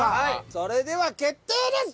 それでは決定です。